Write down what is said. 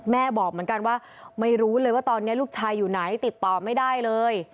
บอกเหมือนกันว่าไม่รู้เลยว่าตอนนี้ลูกชายอยู่ไหนติดต่อไม่ได้เลย